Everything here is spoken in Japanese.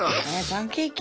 パンケーキ？